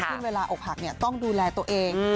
ซึ่งเวลาอกหักต้องดูแลตัวเอง